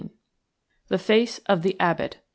– THE FACE OF THE ABBOT.